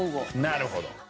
なるほど。